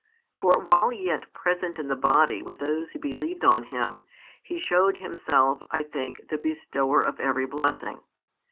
For while yet present in the body with those who believed on Him, He showed Himself, I think, the bestower of every blessing.